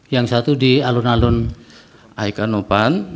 yang satu di alun alun aikanopan